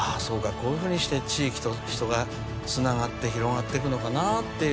こういうふうにして地域と人がつながって広がってくのかなって。